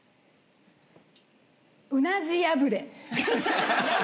うなじ破れ。